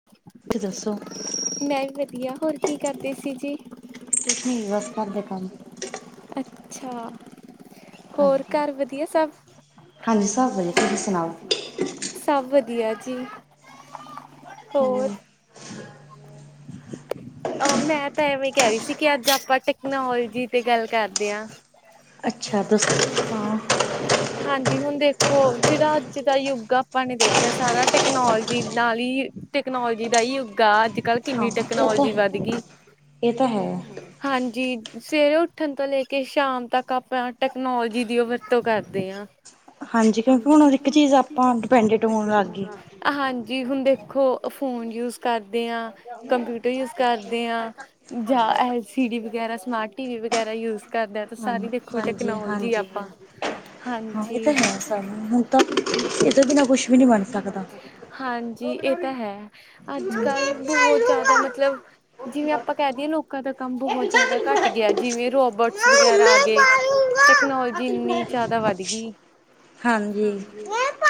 ਹ [unintelligible] ਤੁਸੀਂ ਦੱਸੋ ਮੈਂ ਵੀ ਵਧੀਆ ਹੋਰ ਕੀ ਕਰਦੇ ਸੀ ਜੀ? ਕੁਛ ਨੀ ਬਸ ਘਰ ਦੇ ਕੰਮ। ਅੱਛਾ ਹੋਰ ਘਰ ਵਧੀਆ ਸਭ। ਹਾਂਜੀ ਤੂਸੀ ਸੂਨਾੳ। ਸਭ ਵਧੀਆ ਜੀ। ਹੂੰ। ਅ ਮੈਂ ਤਾਂ ਇਵੇਂ ਕਹਿ ਰਹੀ ਸੀ ਕਿ ਅੱਜ ਆਪਾਂ ਟੈਕਨੋਲੋਜੀ ਤੇ ਗੱਲ ਕਰਦੇ ਆ। ਅੱਛਾ, ਤੁਸੀਂ ਸੁਣਾਓ। ਹਾਂਜੀ ਹੁਣ ਦੇਖੋ ਜਿਹੜਾ ਅੱਜ ਦਾ ਯੁੱਗ ਆਪਾਂ ਨੇ ਦੇਖਿਆ ਸਾਰਾ ਟੈਕਨੋਲੋਜੀ ਨਾਲ ਹੀ ਟੈਕਨੋਲੋਜੀ ਦਾ ਹੀ ਯੁੱਗ ਆ ਅੱਜ-ਕੱਲ ਕਿੰਨੀ ਟੈਕਨੋਲੋਜੀ ਵੱਧ ਗਈ। ਹਾਂਜੀ ਸਵੇਰੇ ਉੱਠਣ ਤੋਂ ਲੈ ਕੇ ਸ਼ਾਮ ਤੱਕ ਆਪਾਂ ਟੈਕਨੋਲੋਜੀ ਦੀ ਵਰਤੋਂ ਕਰਦੇ ਆ। ਹਾਂਜੀ ਕਿਉਂਕਿ ਹੁਣ ਹਰ ਇੱਕ ਚੀਜ਼ ਆਪਾਂ ਡਿਪੈਂਡਟ ਹੋਣ ਲੱਗ ਗਏ। ਹਾਂਜੀ ਹੁਣ ਦੇਖੋ ਫੋਨ ਯੂਜ ਕਰਦੇ ਆ ਕੰਪਿਊ ਰ ਯੂਜ ਕਰਦੇ ਆ। ਜਾ ਐਲ ਸੀ ਡੀ ਵਗੈਰਾ ਸਮਾਰਟ ਟੀਵੀ ਵਗੈਰਾ ਯੂਜ ਕਰਦਿਆ ਤਾ ਸਾਰੀ ਦੇ ਦੇਖੋ ਟੈਕਨੋਲਜੀ ਆਪਾਂ, ਹਾਂਜੀ। ਹਾਂਜੀ ਇਹ ਤਾਂ ਹੈ ਅੱਜ-ਕੱਲ ਬਹੁਤ ਜ਼ਿਆਦਾ ਮਤਲਬ, ਜਿਵੇਂ ਆਪਾਂ ਕਹਿ ਦਈਏ ਲੋਕਾਂ ਦਾ ਕੰਮ ਬਹੁਤ ਜਿਆਦਾ ਘੱਟ ਗਿਆ ਜਿਵੇਂ ਰੋਬਰਟਸ ਵਗੈਰਾ ਆ ਗਏ। ਟੈਕਨੋਲੋਜੀ ਇੰਨੀ ਜ਼ਿਆਦਾ ਵੱਧ ਗਈ। ਹਾਂ,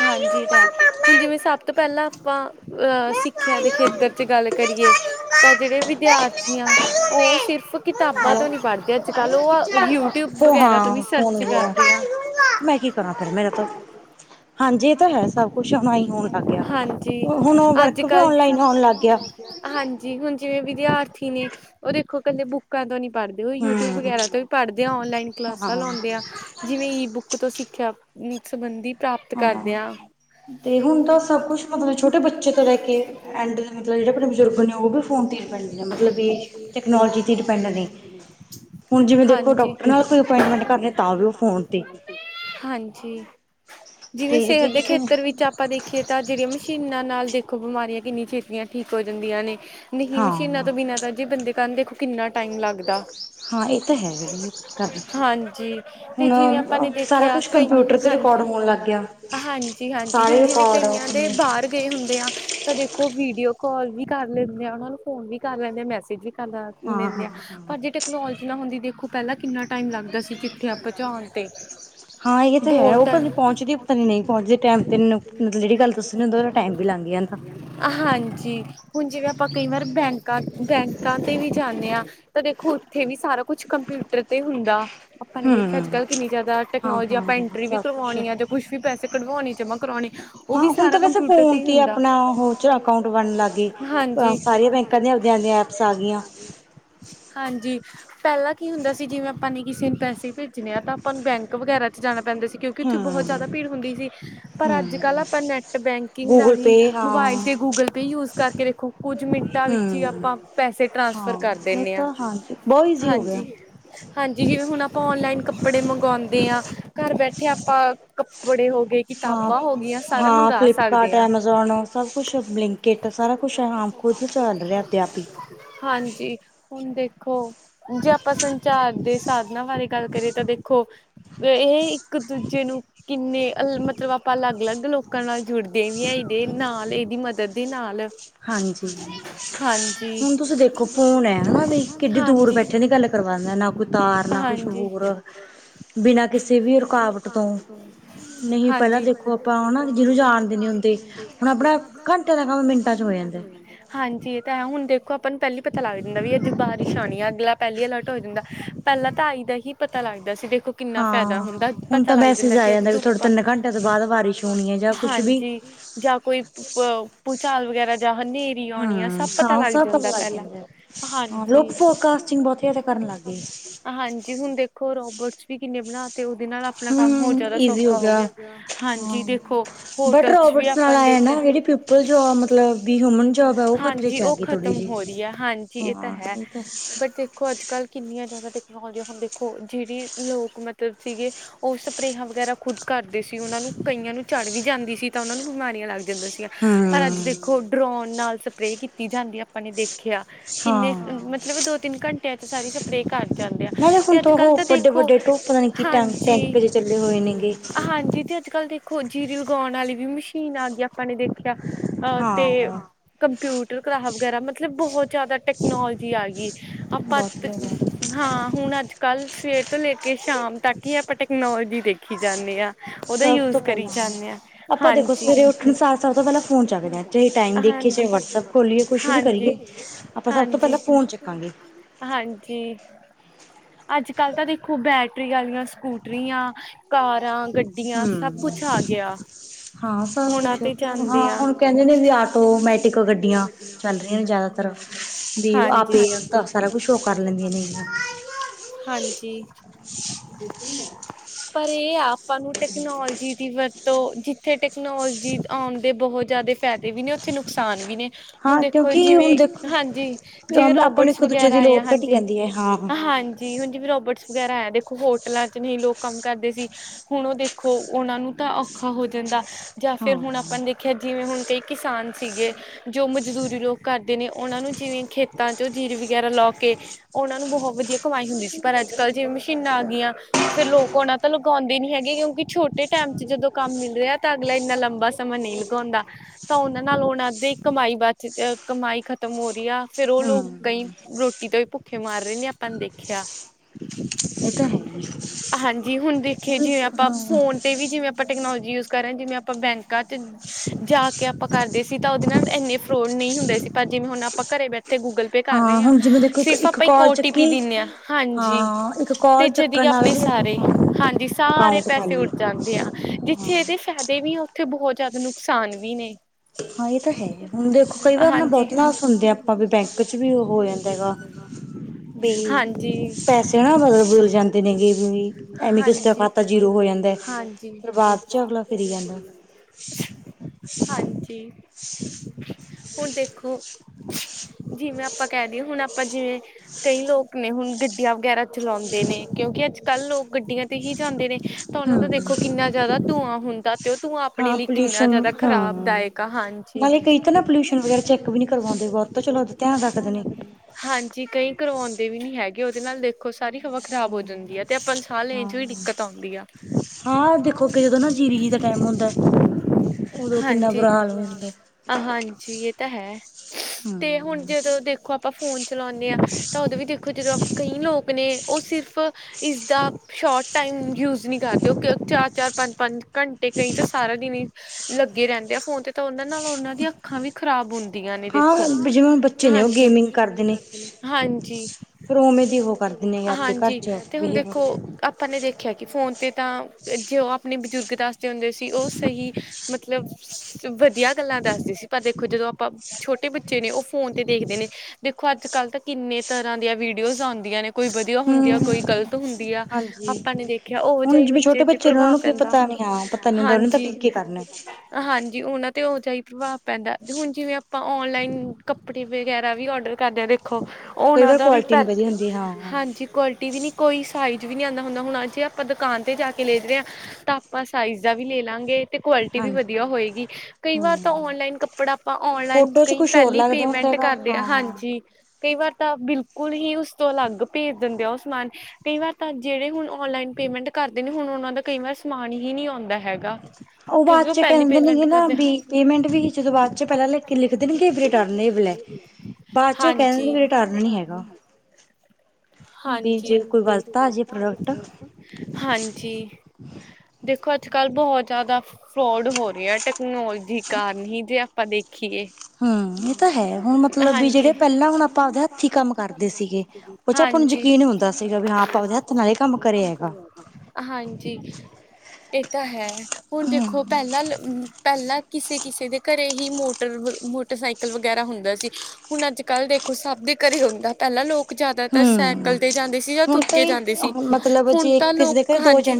ਹਾਂਜੀ ਇਹ ਤਾਂ ਹੈ ਹੁਣ ਜਿਵੇਂ ਸਭ ਤੋਂ ਪਹਿਲਾਂ ਆਪਾਂ ਅ ਸਿੱਖਿਆ ਦੇ ਖੇਤਰ ਚ ਗੱਲ ਕਰੀਏ, ਤਾਂ ਜਿਹੜੇ ਵਿਦਿਆਰਥੀ ਆ ਉਹ ਸਿਰਫ਼ ਕਿਤਾਬਾਂ ਤੋਂ ਨੀ ਪੜ੍ਹਦੇ ਅੱਜ-ਕੱਲ ਉਹ ਯ ਯੂਟਿਊਬ ਵਗੈਰਾ ਤੋਂ ਵੀ ਸਰਚ ਕਰਦੇ ਆ। ਮੈਂ ਕੀ ਕਰਾ ਫਿਰ ਮੇਰਾ ਤੋਂ ਹਾਂਜੀ ਇਹ ਤਾਂ ਹੈ ਸਭ ਕੁਛ ਹੁਣ ਅਈ ਹੋਣ ਲੱਗ ਗਿਆ, ਹੁਣ ਵਰਕ ਵੀ ਔਨਲਾਈਨ ਹੋਣ ਲੱਗ ਗਿਆ। ਹਾਂਜੀ ਹੁਣ ਜਿਵੇਂ ਵਿਦਿਆਰਥੀ ਨੇ ਉਹ ਦੇਖੋ ਕਦੇ ਬੁੱਕ ਬੁੱਕਾਂ ਤੋਂ ਨੀ ਪੜ੍ਹਦੇ ਉਹ ਯੂਟਿਊਬ ਵਗੈਰਾ ਤੋਂ ਵੀ ਪੜ੍ਹਦੇ ਆ ਔਨਲਾਈਨ ਕਲਾਸਾਂ ਲਾਉਂਦੇ ਆ। ਜਿਵੇਂ ਈ ਬੁੱਕ ਤੋਂ ਸਿੱਖਿਆ ਸੰਬੰਧੀ ਪ੍ਰਾਪਤ ਕਰਦੇ ਆ। ਤੇ ਹੁਣ ਤਾਂ ਸਭ ਕੁਛ ਮਤਲਬ ਛੋਟੇ ਬੱਚੇ ਤੋਂ ਲੈ ਕੇ ਐਂਡ ਮਤਲਬ ਜਿਹੜੇ ਆਪਣੇ ਬਜ਼ੁਰਗ ਨੇ ਉਹ ਵੀ ਫੋਨ ਤੇ ਡਿਪੈਂਡ ਨੇ ਮਤਲਬ ਵੀ ਟੈਕਨੋਲੋਜੀ ਤੇ ਡਿਪੈਂਡ ਨੇ। ਹੁਣ ਜਿਵੇਂ ਦੇਖੋ ਡਾਕਟਰ ਨਾਲ ਕੋਈ ਅਪਆਇੰਟਮੈਂਟ ਕਰਨੀ ਆ ਤਾਂ ਵੀ ਫੋਨ ਤੇ ਹਾਂਜੀ, ਜਿਵੇਂ ਸਿਹਤ ਦੇ ਖੇਤਰ ਵਿੱਚ ਆਪਾਂ ਆਪਾਂ ਦੇਖੀਏ ਤਾਂ ਜਿਹੜੀਆਂ ਮਸ਼ੀਨਾਂ ਨਾਲ ਦੇਖੋ ਬਿਮਾਰੀਆਂ ਕਿੰਨੀ ਛੇਤੀਆਂ ਠੀਕ ਹੋ ਜਾਂਦੀਆਂ ਨੇ। ਨਹੀ ਮਸ਼ੀਨਾਂ ਤੋਂ ਬਿਨਾਂ ਤਾਂ ਜੇ ਬੰਦੇ ਕਰਨ ਦੇਖੋ ਕਿੰਨਾ ਟਾਈਮ ਲੱਗਦਾ। ਹਾਂਜੀ, ਤੇ ਜਿਵੇਂ ਆਪਾਂ ਨੇ ਦੇਖਿਆ ਕੰਪਿਊਟਰ ਤੇ ਰਿਕਾਰਡ ਹੋਣ ਲੱਗ ਗਿਆ‌। ਹਾਂਜੀ-ਹਾਂਜੀ, ਹੁਣ ਜਿਵੇਂ ਕਈਆਂ ਦੇ ਬਾਹਰ ਗਏ ਹੁੰਦੇ ਆ, ਤਾਂ ਦੇਖੋ ਵੀਡੀਓ ਕਾਲ ਵੀ ਕਰ ਲੈਂਦੇ ਆ ਉਹਨਾਂ ਨੂੰ ਫੋਨ ਵੀ ਕਰ ਲੈਂਦੇ ਆ ਮੈਸੇਜ ਵੀ ਕਰ ਲੈਂ ਲੈਂਦੇ ਆ ਪਰ ਜੇਕਰ ਲਜ ਨਾ ਹੁੰਦੀ ਦੇਖੋ ਪਹਿਲਾਂ ਕਿੰਨਾ ਟਾਈਮ ਲੱਗਦਾ ਸੀ ਚਿੱਠੀਆਂ ਪਹੁੰਚਾਉਣ ਤੇ। ਹਾਂ ਇਹ ਤਾਂ ਹੈ ਉਹ ਪਤਾ ਨੀ ਨਹੀਂ ਪਹੁੰਚਦੀ ਪਤਾ ਨੀ ਨਹੀਂ ਪਹੁੰਚਦੀ ਟਾਈਮ ਤੇ ਨ ਜਿਹੜੀ ਗੱਲ ਦੱਸਣੀ ਹੁੰਦੀ ਆ ਉ ਟਾਈਮ ਵੀ ਲੰਘ ਜਾਂਦਾ। ਹਾਂਜੀ, ਹੁਣ ਜਿਵੇਂ ਆਪਾਂ ਕਈ ਵਾਰ ਬੈਂਕਾਂ, ਬੈਂਕਾਂ ਤੇ ਵੀ ਜਾਣੇ ਆ, ਤਾਂ ਦੇਖੋ ਉੱਥੇ ਵੀ ਸਾਰਾ ਕੁਛ ਕੰਪਿਊਟਰ ਤੇ ਹੁੰਦਾ। ਆਪਾਂ ਨੇ ਦੇਖਿਆ ਅੱਜ-ਕੱਲ ਕਿੰਨੀ ਜ਼ਿਆਦਾ ਟੈਕਨੋਲੋਜੀ ਆਪਾਂ ਐਂਟਰੀ ਵੀ ਕਰਵਾਉਣੀ ਆ ਜਾ ਕੁਛ ਵੀ ਪੈਸੇ ਕਢਵਾਉਣੇ ਜਮ੍ਹਾਂ ਕਰਵਾਉਣੇ, ਹਾਂ ਹੁਣ ਤਾਂ ਵੈਸੇ ਫੋਨ ਤੇ ਆਪਣਾ ਉਹ ਚ ਅਕਾਊਂਟ ਬਣਨ ਲੱਗ ਗਏ ਅ ਸਾਰੀਆਂ ਬੈਂਕਾਂ ਦੀਆਂ ਆਬਦੀਆਂ-ਆਬਦੀਆ ਇੰਨੀਆਂ ਐਪਸ ਆ ਗਈਆ। ਹਾਂਜੀ। ਪਹਿਲਾਂ ਕੀ ਹੁੰਦਾ ਸੀ ਜਿਵੇਂ ਆਪਾਂ ਨੇ ਕਿਸੇ ਨੂੰ ਪੈਸੇ ਭੇਜਣੇ ਆ ਤਾਂ ਆਪਾਂ ਨੂੰ ਬੈਂਕ ਵਗੈਰਾ ਚ ਜਾਣਾ ਪੈਂਦਾ ਸੀ ਕਿਉਂ ਕਿੱਥੇ ਬਹੁਤ ਜਿਆਦਾ ਭੀੜ ਹੁੰਦੀ ਸੀ ਪਰ ਅੱਜ-ਕੱਲ ਆਪਾਂ ਨੈੱਟ ਬੈਂਕਿੰਗ ਰਾਹੀਂ ਮੋਬਾਇਲ ਤੇ ਗੂਗਲ ਪੇ ਯੂਜ ਕਰਕੇ ਹਮ ਹਾਂ ਇਹ ਤਾਂ ਹਾਂ ਬਹੁਤ ਈਜ਼ੀ ਹੋ ਗਿਆ। [inaudible] ਹਾਂਜੀ ਜਿਵੇਂ ਹੁਣ ਆਪਾ ਔਨਲਾਈਨ ਕੱਪੜੇ ਮੰਗਵਾਉਂਦੇ ਹਾਂ ਘਰ ਬੈਠੇ ਆਪਾਂ ਕੱਪੜੇ ਹੋ ਹਾਂ ਹਾਂ ਫਲੀਪਕਾਰਟ ਐਮਾਜ਼ੋਨ ਸਭ ਕੁਛ ਬਲਿੰਕਿਟ ਸਾਰਾ ਕੁਛ ਆਮ ਖੁਦ ਚੱਲ ਰਿਹਾ [unintelligible] ਹਾਂਜੀ ਹੁਣ ਦੇਖੋ ਜੇ ਆਪਾਂ ਸੰਚਾਰ ਦੇ ਸਾਧਨਾ ਬਾਰੇ ਗੱਲ ਕਰੀਏ ਤਾਂ ਦੇਖੋ ਇਹ ਇੱਕ ਦੂਜੇ ਨੂੰ ਕਿੰਨੇ ਮਤਲਬ ਆਪਾਂ ਅਲੱਗ ਅਲੱਗ ਲੋਕਾਂ ਨਾਲ ਜੁੜਦੇ ਵੀ ਅ ਇਹਦੇ ਨਾਲ ਇਹਦੀ ਮਦਦ ਦੇ ਨਾਲ। ਹਾਂਜੀ ਹੁਣ ਤੁਸੀਂ ਦੇਖੋ ਫੋਨ ਐ ਹੈਨਾ ਵੀ ਕਿਡੀ ਦੂਰ ਬੈਠੇ ਦੀ ਗੱਲ ਕਰਵਾ ਦਿੰਦਾ ਨਾ ਕੁਛ ਤਾਰ ਨਾ ਕੁਛ ਹੋਰ ਬਿਨ੍ਹਾਂ ਕਿਸੇ ਵੀ ਰੁਕਾਵਟ ਤੋਂ ਨਹੀਂ ਪਹਿਲਾਂ ਦੇਖੋ ਆਪਾਂ ਹੈਨਾ ਜਿਹਨੂੰ ਜਾਣਦੇ ਨੀ ਹੁੰਦੇ ਹੁਣ ਆਪਣਾ ਘੰਟੇ ਦਾ ਕੰਮ ਮਿੰਟ [unintelligible] ਮਿੰਟਾਂ ਚ ਹੋ ਜਾਂਦਾ। ਹਾਂਜੀ ਇਹ ਤਾਂ ਹੁਣ ਦੇਖੋ ਆਪਾਂ ਨੂੰ ਪਹਿਲੀ ਪਤਾ ਲੱਗ ਜਾਂਦਾ ਵੀ ਅੱਜ ਬਾਰਿਸ਼ ਆਉਣੀ ਆ ਅਗਲਾ ਪਹਿਲੀ ਅਲਰਟ ਹੋ ਜਾਂਦਾ। ਪਹਿਲਾਂ ਤਾਂ ਆਈ ਦਾ ਹੀ ਪਤਾ ਲੱਗਦਾ ਸੀ ਦੇਖੋ ਕਿੰਨਾ ਫਾਇਦਾ ਹੁੰਦਾ ਪਤਾ ਲੱਗ ਜਾਂਦਾ ਕਿ ਅੱਜ ਧੁੱਪ ਤਿੰਨ ਘੰਟਿਆਂ ਤੋਂ ਬਾਅਦ ਬਾਰਿਸ਼ ਹੁੰਦੀ ਆ ਹਾਂਜੀ। ਜਾਂ ਕੋਈ ਭੂ ਭੂਚਾਲ ਵਗੈਰਾ ਜਾਂ ਹਨੇਰੀ ਆਉਣੀ ਆ ਸਭ ਪਤਾ ਲੱਗ ਜਾਂਦਾ ਪਹਿਲਾਂ ਹਾਂਜੀ [unintelligible] [inaudible] ਹਾਂਜੀ ਹੁਣ ਦੇਖੋ ਰੋਬੋਟਸ ਵੀ ਕਿੰਨੇ ਬਣਾਤੇ ਤੇ ਉਹਦੇ ਨਾਲ ਆਪਣਾ ਕੰਮ ਹੋਰ ਜ਼ਿਆਦਾ ਸੌਖਾ ਹੋ ਗਿਆ ਹਾਂਜੀ ਦੇਖੋ ਹੋਟਲ ਚ ਵੀ ਆਪਾਂ ਦੇਖਿਆ [unintelligible] ਹਾਂਜੀ ਉਹ ਖਤਮ ਹੋ ਰਹੀ ਏ ਹਾਂਜੀ ਜੀ ਇਹ ਤਾਂ ਹੈ ਬਟ ਦੇਖੋ ਅੱਜ ਕੱਲ੍ਹ ਕਿੰਨੀਆਂ ਜ਼ਿਆਦਾ ਟੈਕਨੋਲੋਜੀ ਹੁਣ ਦੇਖੋ ਜਿਹੜੀ ਲੋਕ ਮਤਲਬ ਸੀਗੇ ਉਹ ਸਪਰੇਹਾਂ ਵਗੈਰਾ ਖੁਦ ਕਰਦੇ ਸੀ ਉਹਨਾਂ ਨੂੰ ਕਈਆਂ ਨੂੰ ਚੜ੍ਹ ਵੀ ਜਾਂਦੀ ਸੀ ਤਾਂ ਉਹਨਾਂ ਨੂੰ ਬਿਮਾਰੀਆਂ ਲੱਗ ਜਾਂਦਾ [unintelligible] ਪਰ ਅੱਜ ਦੇਖੋ ਡਰੋਨ ਨਾਲ ਸਪਰੇਅ ਕੀਤੀ ਜਾਂਦੀ ਆਪਾਂ ਨੇ ਦੇਖਿਆ ਕਿੰਨੇ ਮਤਲਬ ਦੋ ਤਿੰਨ ਘੰਟਿਆਂ ਚ ਸਾਰੀ ਸਪਰੇਅ ਕਰ ਜਾਂਦੇ ਆ ਤੇ ਅੱਜ ਕੱਲ੍ਹ ਤਾਂ ਦੇਖੋ [unintelligible] ਹਾਂਜੀ ਹਾਂਜੀ ਤੇ ਅੱਜ ਕੱਲ੍ਹ ਦੇਖੋ ਜੀਰੀ ਓੁਗਾਉਣ ਵਾਲੀ ਵੀ ਮਸ਼ੀਨ ਆ ਗਈ ਆਪਾਂ ਨੇ ਦੇਖਿਆ ਅਹ ਤੇ ਕੰਪਿਊਟਰ [unintelligible] ਵਗੈਰਾ ਮਤਲਬ ਬਹੁਤ ਜ਼ਿਆਦਾ ਟੈਕਨੋਲੋਜੀ ਆ ਗਈ। ਆਪਾਂ ਤ ਹਾਂ ਹੁਣ ਅੱਜ ਕੱਲ੍ਹ ਸਵੇਰ ਤੋਂ ਲੈ ਕੇ ਸ਼ਾਮ ਤੱਕ ਹੀ ਆਪਾਂ ਟੈਕਨੋਲੋਜੀ ਦੇਖੀ ਜਾਨੇ ਆ। ਉਹਦਾ ਯੂਜ ਕਰੀ ਜਾਂਣੇ ਆ ਹਾਂਜੀ [unintelligible] ਚਾਹੇ ਟਾਈਮ ਦੇਖੀਏ ਚਾਹੇ ਵਟਸਐਪ ਖੋਲੀਏ ਕੁਛ ਵੀ ਕਰੀਏ ਆਪਾਂ ਸਭ ਤੋਂ ਪਹਿਲਾਂ ਫੋਨ ਚੁੱਕਾਂਗੇ। ਹਾਂਜੀ ਅੱਜ ਕੱਲ ਤਾਂ ਦੇਖੋ ਬੈਟਰੀ ਆਲੀਆਂ ਸਕੂਟਰੀਆਂ ਕਾਰਾਂ ਗੱਡੀਆਂ ਸਭ ਕੁਛ ਆ ਗਿਆ। ਹਾਂ ਸਭ ਕੁਛ ਹਾਂ ਹੁਣ ਕਹਿੰਦੇ ਨੇ ਵੀ ਆਟੋ ਮੈਟਿਕ ਗੱਡੀਆਂ ਚੱਲ ਰਹੀਆਂ ਨੇ ਜ਼ਿਆਦਾਤਰ ਵੀ ਆਪੇ ਸਾਰਾ ਕੁਛ ਉਹੋ ਕਰ ਲੈਂਦੀਆਂ ਨੇ ਇਹ ਹਾਂਜੀ। [unintelligible] ਪਰ ਇਹ ਆ ਆਪਾਂ ਨੂੰ ਟੈਕਨੋਲੋਜੀ ਦੀ ਵਰਤੋਂ ਜਿੱਥੇ ਟੈਕਨੋਲੋਜੀ ਆਉਣ ਦੇ ਬਹੁਤ ਜ਼ਿਆਦਾ ਫਾਇਦੇ ਵੀ ਨੇ ਉੱਥੇ ਨੁਕਸਾਨ ਵੀ ਨੇ। ਹੁਣ ਦੇਖੋ ਜਿਵੇਂ ਹਾਂਜੀ ਜਿਵੇਂ ਰੋਬਰਟਸ ਵਗੈਰਾ ਆਏ ਆ ਹਾਂਜੀ ਹਾਂਜੀ। ਜੀ ਹੁਨ ਜਿਵੇਂ ਰੋਬਰਟਸ ਵਗੈਰਾ ਹੈ ਦੇਖੋ ਹੋਟਲਾਂ ਚ ਨਹੀਂ ਲੋਕ ਕੰਮ ਕਰਦੇ ਸੀ। ਹੁਨ ਓ ਦੇਖੋ ਓਨਾਂ ਨੂੰ ਤਾਂ ਔਖਾ ਹੋ ਜਾਂਦਾ। ਜਾ ਫਿਰ ਹੁਨ ਆਪਾਂ ਦੇਖੇਆ, ਜਿਵੇਂ ਹੁਨ ਕਈ ਕਿਸਾਨ ਸੀਗੇ। ਜੋ ਮਜ਼ਦੂਰੀ ਲੋਕ ਕਰਦੇ ਨੇ ਓਨਾਂ ਨੂੰ ਜਿਵੇਂ ਖੇਤਾਂ ਚੋਂ ਜੀਰੀ ਵਗੈਰਾ ਲੋ ਕੇ ਓਨਾਂ ਨੂੰ ਬੋਹ ਵਦੀਆ ਕਮਾਈ ਹੁੰਦੀ ਸੀ ਪਰ ਅੱਜ-ਕੱਲ ਜਿਵੇਂ ਮਸ਼ੀਨਾਂ ਆ ਗਈਆਂ। ਫੇਰ ਲੋਕ ਓਨਾਂ ਤੋ ਲਗੋਂਦੇ ਨੀ ਹੈਗੇ ਕਿਓਂਕਿ ਛੋਟੇ ਟੈਮ ਚ ਜਦੋਂ ਕੰਮ ਮਿਲ ਰਿਆ ਤਾਂ ਅਗਲਾ ਇੰਨਾ ਲੰਬਾ ਸਮਾਂ ਨਹੀਂ ਲੱ ਗੋਓਂਦਾ। ਤਾਂ ਓਨਾਂ ਨਾਲ ਓਨਾਂ ਦੀ ਕਮਾਈ ਬਚ ਕਮਾਈ ਖਤਮ ਹੋ ਰਹੀ ਆ ਫਿਰ ਓ ਲੋਕ ਕਈ ਰੋਟੀ ਤੋਂ ਵੀ ਭੁੱਖੇ ਮਰ ਰਏ ਨੇ ਆਪਾਂ ਨੇ ਦੇਖਿਆ। ਏ ਤਾਂ ਹੈ ਈ ਹਾਂਜੀ, ਹੁਨ ਦੇਖੀਏ, ਜਿਵੇਂ ਆਪਾਂ ਫੋਨ ਤੇ ਵੀ ਜਿਵੇਂ ਆਪਾਂ ਟੈਕਨੋਲੋਜੀ ਯੂਜ਼ ਕਰ ਰਏ ਆਂ ਜਿਵੇਂ ਆਪਾਂ ਬੈਂਕਾਂ 'ਚ ਜਾ ਕੇ ਆਪਾਂ ਕਰਦੇ ਸੀ, ਤਾਂ ਓਦੇ ਨਾਲ ਇੰਨੇ ਫਰੋਡ ਨਈਂ ਹੁੰਦੇ ਸੀ ਪਰ ਜਿਵੇਂ ਹੁਪ ਆਪਾਂ ਘਰੇ ਬੈਠੇ ਤੇ ਗੂਗਲ ਪੇ ਕਰ ਰਏ ਆਂ ਸਿਰਫ ਆਪਾਂ ਇੱਕ ਓ ਟੀ ਪੀ ਦਿੰਨੇ ਆਂ ਹਾਂਜੀ ਤੇ ਜਦੀ ਆਪਣੇ ਸਾਰੇ ਹਾਂਜੀ ਸਾਰੇ ਪੈਸੇ ਉੱਡ ਜਾਂਦੇ ਆ ਜਿੱਥੇ ਏਦੇ ਫੈਦੇ ਵੀ ਆ ਓਥੇ ਬੋਹ ਜ਼ਾਅਦਾ ਨੁਕਸਾਨ ਵੀ ਨੇ ਹਾਂ ਏ ਤਾਂ ਹੈ। ਹੁਣ ਦੇਖੋ, ਕਈ ਵਾਰ ਨਾ ਬੋਹਤ ਵਾਰ ਸੁਣਦੇ ਆਂ ਆਪਾਂ ਵੀ ਬੈਂਕ ਚ ਵੀ ਹੋ ਜਾਂਦੈ ਗਾ। ਬੀ ਪੈਸੇ ਬਦਲ-ਬਦਲ ਜਾਂਦੇ ਨੇ ਗੇ ਵੀਂ ਐਵੇਂ ਕਿਸੇ ਦਾ ਖਾਤਾ ਜੀਰੋ ਹੋ ਜਾਂਦਾ। ਹਾਂਜੀ, ਬਾਅਦ ਚ ਅਗਲਾ ਫਿਰੀ ਜਾਂਦਾ। [inaudible] ਹਾਂਜੀ, ਹੁਨ ਦੇਖੋ ਜਿਵੇਂ ਆਪਾਂ ਕੈ ਦੀਏ, ਹੁਨ ਆਪਾਂ ਜਿਵੇਂ ਕਈ ਲੋਕ ਨੇ ਹੁਨ ਗੱਡੀਆਂ ਵਗੈਰਾ ਚਲੋਂਦੇ ਨੇ ਕਿਓਂਕਿ ਅੱਜ-ਕੱਲ ਲੋਕ ਗੱਡੀਆਂ ਤੇ ਹੀ ਜਾਂਦੇ ਨੇ। ਤਾਂ ਓਨਾ ਦਾ ਦੇਖੋ ਕਿੰਨਾ ਜ਼ਾਅਦਾ ਧੂੰਆਂ ਹੁੰਦਾ ਤੇ ਹਾਂ ਪੋਲਿਊਸ਼ਨ ਹਾਂ ਨਾਲੇ ਕਈ ਤਾਂ ਨਾ ਪੋਲਿਊਸ਼ਨ ਵਗੈਰਾ ਚੈੱਕ ਵੀ ਨੀ ਕਰਵੋਂਦੇ ਬੋਤ ਤਾਂ ਚਲੋ ਧਿਆਨ ਰੱਖਦੇ ਨੇ। ਜੀ ਕਈ ਕਰਵੋਂਦੇ ਵੀ ਨੀ ਹੈਗੇ ਓਦੇ ਨਾਲ ਦੇਖੋਂ ਦੇਖੋ ਸਾਰੀ ਹਵਾ ਖਰਾਬ ਹੋ ਜਾਂਦੀ ਆ ਤੇ ਆਪਾਂ ਨੂੰ ਸਾਹ ਲੈਣ ਚ ਵੀ ਦਿੱਕਤ ਔਂਦੀ ਆ। ਹਾਂ ਦੇਖੋ ਕਿ ਜਦੋਂ ਨਾ ਜੀਰੀ ਜੀ ਦਾ ਟੈਮ ਹੁੰਦਾ ਓਦੋਂ ਕਿੰਨਾ ਬੁਰਾ ਹਾਲ ਹੋ ਜਾਂਦਾ। ਹਾਂਜੀ, ਏ ਤਾਂ ਹੈ, ਤੇ ਹੁਨ ਜਦੋਂ ਦੇਖੋ ਆਪਾਂ ਫੋਨ ਚਲੋਨੇ ਆਂ ਤਾਂ ਓਦੋਂ ਵੀ ਦੇਖੋ ਜਦੋਂ ਕਈ ਲੋਕ ਨੇ ਓ ਸਿਰਫ ਇਸਦਾ ਸ਼ੋਰਟ ਟਾਈਮ ਯੂਜ਼ ਨੀ ਕਰਦੇ ਓ ਕਿ ਚਾਰ-ਚਾਰ, ਪੰਜ-ਪੰਜ ਘੰਟੇ ਕਈ ਤਾਂ ਸਾਰਾ ਦਿਨ ਈ ਲੱਗੇ ਰੈਂਦੇ ਆ ਫੋਨ ਤੇ ਤਾਂ ਓਨਾਂ ਨਾਲ ਓਨਾਂ ਦੀਆ ਅੱਖਾਂ ਵੀ ਖ਼ਰਾਬ ਹੁੰਦੀਂ ਆਂ ਨੇ ਦੇਖੋ, ਹਾਂਜੀ-ਹਾਂਜੀ। ਹਾਂਜੀ ਤੇ ਹੁਨ ਦੇਖੋ ਆਪਾਂ ਨੇ ਦੇਖੇਆ, ਕਿ ਫੋਨ ਤੇ ਤਾਂ ਜੋ ਆਪਣੇ ਬਜ਼ੁਰਗ ਦੱਸਦੇ ਹੁੰਦੇ ਸੀ ਓ ਸਹੀ ਮਤਲਬ ਵਦੀਆ ਗੱਲਾਂ ਦੱਸਦੇ ਸੀ, ਪਰ ਦੇਖੋ, ਜਦੋਂ ਆਪਾਂ ਛੋਟੇ ਬੱਚੇ ਨੇ ਓ ਫੋਨ ਤੇ ਦੇਖਦੇ ਨੇ ਦੇਖੋ ਅੱਜ-ਕੱਲ ਤਾ ਕਿੰਨੇ ਤਰਾਂ ਦੀਆਂ ਵੀਡੀਓਜ਼ ਔਂਦੀਆ ਨੇ। ਕੋਈ ਵਦੀਆ ਹੁੰਦੀ ਆ ਕੋਈ ਗਲਤ ਹੁੰਦੀ ਆ ਆਪਾ ਨੇ ਦੇਖੇਆ ਓਹ ਜਾ ਹੀ ਬੱਚੇ ਤੇ ਪ੍ਰਭਾਵ ਪੈਂਦਾ। ਹਾਜੀ। ਹਾਜੀ ਓਨਾ ਤੇ ਓਹੇ ਜਾ ਈ ਪ੍ਰਭਾਵ ਪੈਦਾ ਹੁਨ ਜਿਵੇ ਆਪਾ ਔਨਲਾਈਨ ਕੱਪੜੇ ਵਗੈਰਾ ਵੀ ਔਡਰ ਕਰਦੇ ਆ ਦੇਖੋ। ਕਈ ਵਾਰ [unintelligible] ਹਾਜੀ ਕੁਆਲਿਟੀ ਵੀ ਨੀ ਕੋਈ ਸਾਈਜ ਵੀ ਨੀ ਆਂਦਾ ਹੁੰਦਾ ਹੁਣ ਜੇ ਆਪਾ ਦੁਕਾਨ ਤੇ ਜਾ ਕੇ ਲੈਜਦੇ ਆ ਤਾ ਆਪਾ ਸਾਈਜ ਦਾ ਵੀ ਲੈ ਲਾਗੇ ਤੇ ਕੁਆਲਿਟੀ ਵੀ ਵਧੀਆ ਹੋਏਗੀ। ਕਈ ਵਾਰ ਤਾ ਓਨਲਾਈਨ ਕੱਪੜਾ ਆਪਾ ਓਨਲਾਈਨ ਕਈ ਪਹਿਲੀ ਪੇਮੈਟ ਕਰਦੇ, ਹਾਜੀ। ਕਈ ਵਾਰ ਤਾ ਬਿਲਕੁਲ ਹੀ ਉਸ ਤੋ ਅਲੱਗ ਭੇਜ ਦਿੰਦੇ ਆ ਉਹ ਸਮਾਨ। ਕਈ ਵਾਰ ਤਾ ਜਿਹੜੇ ਹੁਣ ਔਨਲਾਈਨ ਪੇਮੈਟ ਕਰਦੇ ਨੇ ਹੁਣ ਉਹਨਾ ਦਾ ਕਈ ਵਾਰ ਸਮਾਨ ਹੀ ਨੀ ਆਉਦਾ ਹੈਗਾ। ਉਹ ਬਾਅਦ 'ਚ ਕਹਿੰਦੇ ਨੇ ਗੇ ਨਾ ਵੀ ਪੇਮੈਟ ਵੀ ਸੀ ਜਦੋ ਬਾਅਦ 'ਚ ਪਹਿਲਾ ਲਿਖਦੇਣਗੇ ਰਿਟਰਨ ਏਬਲ ਆ। ਬਾਅਦ 'ਚ ਉਹ ਕਹਿ ਦਿੰਦੇ ਵੀ ਰਿਟਰਨ ਨੀ ਹੈਗਾ। ਵੀ ਜੇ ਕੋਈ ਗਲਤ ਆ ਜੇ ਪ੍ਰੋਡਕਟ ਹਾਜੀ, ਦੇਖੋ ਅੱਜਕੱਲ ਬਹੁਤ ਜਿਆਦਾ ਫਰੋਡ ਹੋ ਰਿਹਾ ਟੈਕਨੋਲੋਜੀ ਕਾਰਨ ਹੀ ਜੇ ਆਪਾ ਦੇਖ ਹੂੰ ਇਹ ਤਾ ਹੈ ਹੁਣ ਮਤਲਬ ਵੀ ਜਿਹੜੇ ਪਹਿਲਾ ਹੁਣ ਆਪਾ ਆਪਦੇ ਹੱਥੀ ਕੰਮ ਕਰਦੇ ਸੀਗੇ ਉਹ 'ਚ ਆਪਾ ਨੂੰ ਯਕੀਨ ਹੁੰਦਾ ਸੀਗਾ ਵੀ ਹਾਂ ਆਪਾਂ ਆਵਦੇ ਹੱਥ ਨਾਲ ਇਹ ਕੰਮ ਕਰਿਆ ਹੈਗਾ। ਹਾਜੀ, ਇਹ ਤਾ ਹੈ। ਹੁਣ ਦੇਖੋ ਪਹਿਲਾ, ਪਹਿਲਾ ਕਿਸੇ ਕਿਸੇ ਦੇ ਘਰੇ ਹੀ ਮੋਟਰ, ਮੋਟਰਸਾਈਕਲ ਵਗੈਰਾ ਹੁੰਦਾ ਸੀ। ਹੁਣ ਅੱਜਕੱਲ੍ਹ ਦੇਖੋ ਸਭ ਦੇ ਘਰੇ ਹੁੰਦਾ ਪਹਿਲਾ ਲੋਕ ਜਿਆਦਾ ਸਾਈਕਲ ਤੇ ਜਾਦੇ ਸੀ ਜਾ ਤੁਰ ਕੇ ਜਾਂਦੇ ਸੀ, ਹੁਣ ਤਾ ਲੋਕ ਹਾਂਜੀ।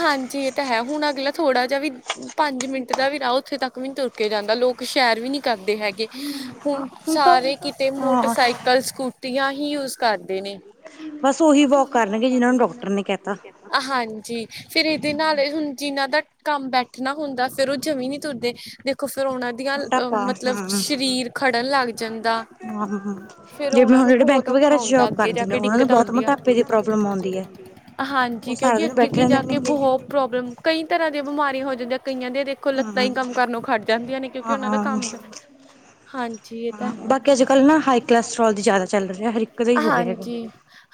ਹਾਂਜੀ ਇਹ ਤਾ ਹੈ ਹੁਣ ਅਗਲਾ ਥੋੜਾ ਜਾ ਵੀ ਪੰਜ ਮਿੰਟ ਦਾ ਵੀ ਰਾਹ ਉੱਥੇ ਤੱਕ ਵੀ ਨਹੀ ਤੁਰ ਕੇ ਜਾਦਾ ਲੋਕ ਸੈਰ ਵੀ ਨੀ ਕਰਦੇ ਹੈਗੇ। ਹੁਣ, ਸਾਰੇ ਕਿਤੇ ਮੋਟਰਸਾਈਕਲ, ਸਕੂਟੀਆ ਹੀ ਯੂਜ ਕਰਦੇ ਨੇ। ਬਸ ਉਹੀ ਵੋਕ ਕਰਨਗੇ ਜਿੰਨਾ ਨੂੰ ਡਾਕਟਰ ਨੇ ਕਹਿ ਤਾ। ਹਾਜੀ ਫਿਰ ਇਹਦੇ ਨਾਲ ਹੁਣ ਜਿਹਨਾ ਦਾ ਕੰਮ ਬੈਠਣਾ ਹੁੰਦਾ ਫਿਰ ਉਹ ਜਮਾ ਈ ਨਹੀ ਤੁਰਦੇ। ਦੇਖੋ ਫਿਰ ਉਹਨਾ ਦੀਆ ਅ ਮਤਲਬ ਸਰੀਰ ਖੜਨ ਲੱਗ ਜਾਦਾ। ਫਿਰ ਉਹਨਾ ਨੂੰ ਬਹੁਤ ਔਖਾ ਹੁੰਦਾ ਅੱਗੇ ਜਾ ਕੇ ਡਿੱਕਤ ਹਾਂਜੀ, ਕਿਉਕਿ ਅੱਗੇ-ਅੱਗੇ ਜਾ ਕੇ ਬਹੁਤ ਪ੍ਰੋਬਲਮ ਕਈ ਤਰ੍ਹਾ ਦੀਆਂ ਬਿਮਾਰੀਆ ਹੋ ਜਾਦੀਆ ਕਈਆ ਦੇ ਲੱਤਾ ਹੀ ਕੰਮ ਕਰਨੋ ਖੜ ਜਾਦੀਆ ਨੇ ਕਿਉਂਕਿ ਉਹਨਾਂ ਦਾ ਕੰਮ ਹਾਂਜੀ ਇਹ ਤਾ ਹੈ। ਹਾਂਜੀ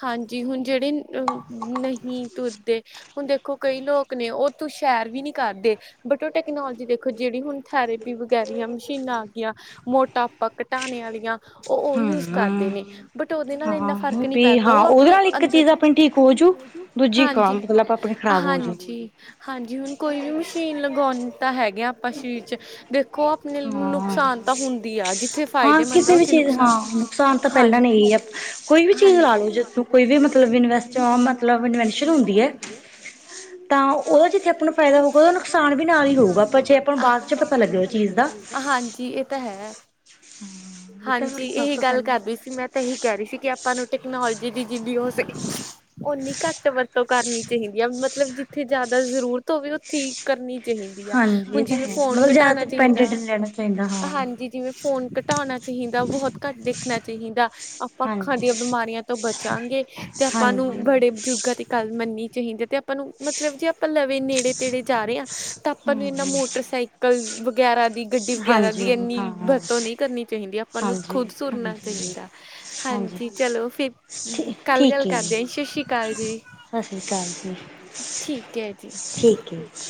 ਹਾਂਜੀ ਹੁਣ ਜਿਹੜੇ ਅ ਨਹੀ ਤੁਰਦੇ ਹੁਣ ਦੇਖੋ ਕਈ ਲੋਕ ਨੇ ਉਹ ਉਤੋਂ ਸੈਰ ਵੀ ਨੀ ਕਰਦੇ ਬਟ ਉਹ ਟੈਕਨੋਲੋਜੀ ਦੇਖੋ ਜਿਹੜੀ ਹੁਣ ਥੈਰੇਪੀ ਵਗੈਰਾ ਮਸ਼ੀਨਾ ਆ ਗਈਆ। ਮੋਟਾਪਾ ਘਟਾਣੇ ਆਲੀਆ ਉਹ ਉਹ ਯੂਸ ਕਰਦੇ ਨੇ, ਬਟ ਉਹਦੇ ਨਾਲ ਇੰਨਾ ਫਰਕ ਨੀ ਪੈਦਾ। ਉਹਦੇ ਨਾਲ ਇੱਕ ਚੀਜ ਆਪਣੀ ਠੀਕ ਹੋਜੂ, ਦੂਜੀ ਖਰਾਬ ਮਤਲਬ ਆਪਣੀ ਖਰਾਬ ਹੋਜੂ। ਹਾਂਜੀ ਹੁਣ ਕੋਈ ਵੀ ਮਸ਼ੀਨ ਲਗਾਉਣੇ ਤਾਂ ਹੈਗੇ ਆਪਾ ਸਰੀਰ 'ਚ ਦੇ ਖੋ ਆਪਣੇ ਨੁਕਸਾਨ ਤਾ ਹੁੰਦੀ ਆ ਜਿੱਥੇ ਫਾਇਦੇਮੰਦ ਆ ਉੱਥੇ ਨੁਕਸਾਨ, ਹਾਂਜੀ। ਕੋਈ ਵੀ ਚੀਜ ਲਾ ਹਾਂਜੀ ਜਿਵੇਂ ਕੋਈ ਵੀ ਮਤਲਬ [unintelligible] ਮਤਲਬ ਇਨਵੈਂਸ਼ਨ ਹੁੰਦੀ ਏ। ਤਾ ਉਹਦਾ ਜਿੱਥੇ ਆਪਾ ਨੂੰ ਫਾਇਦਾ ਹੋਊਗਾ ਉਹਦਾ ਨੁਕਸਾਨ ਵੀ ਨਾਲ ਹੀ ਹੋਊਗਾ ਪਰ ਜੇ ਆਪਾ ਬਾਅਦ 'ਚ ਪਤਾ ਲੱਗੇ। ਹਾਂਜੀ ਇਹ ਤਾ ਹੈ। ਹਾਂਜੀ ਇਹੀ ਗੱਲ ਕਰਦੀ ਸੀ ਮੈ ਇਹੀ ਕਹਿ ਰਹੀ ਸੀ ਕਿ ਆਪਾ ਨੂੰ ਟੈਕਨੋਲੋਜੀ ਦੀ ਜਿੰਨੀ ਹੋ ਸਕੇ ਉਹਨੀ ਘੱਟ ਵਰਤੋ ਕਰਨੀ ਚਾਹੀਦੀ ਆ ਮਤਲਬ ਜਿੱਥੇ ਜ਼ਿਆਦਾ ਜਰੂਰਤ ਹੋਵੇ ਠੀਕ ਕਰਨੀ ਚਾਹੀਦੀ ਆ, ਹੁਣ ਜਿਵੇਂ ਫੋਨ ਘਟਾਉਣਾ ਚਾਹੀਦਾ, ਹਾਂਜੀ ਜਿਵੇਂ ਫੋਨ ਘਟਾਉਣਾ ਚਾਹੀਦਾ ਬਹੁਤ ਘੱਟ ਦੇਖਣਾ ਚਾਹੀਦਾ, ਆਪਾਂ ਅੱਖਾਂ ਦੀਆਂ ਬਿਮਾਰੀਆਂ ਤੋਂ ਬਚਾਂਗੇ ਤੇ ਆਪਾਂ ਨੂੰ ਬੜੇ ਬਜ਼ੁਰਗਾਂ ਦੀ ਗੱਲ ਮੰਨਣੀ ਚਾਹੀਦੀ ਹੈ ਤੇ ਆਪਾਂ ਨੂੰ ਮਤਲਬ ਜੇ ਆਪਾਂ ਲਵੇਂ ਨੇੜੇ ਤੇੜੇ ਜਾ ਰਹੇ ਆ ਤਾਂ ਆਪਾਂ ਨੂੰ ਇਹਨਾਂ ਮੋਟਰਸਾਈਕਲ ਕਲ ਵਗੈਰਾ ਆ ਦੀ ਗੱਡੀ ਵਗੈਰਾ ਦੀ ਏਨੀ ਈ ਵਰਤੋਂ ਨਹੀਂ ਕਰਨੀ ਚਾਹੀਦੀ ਆਪਾਂ ਨੂੰ ਖੁਦ ਸੁਰਨਾ ਚਾਹੀਦਾ ਐ ਹਾਂਜੀ ਈ ਚਲੋ ਫਿਰ ਕੱਲ ਗੱਲ ਕਰਦੇ ਆ ਸਸ੍ਰਰੀ ਕਾਲ ਜੀ ਈ ਠੀਕ ਐ ਜੀ ਈ ਟੈ ਕਿ ਆ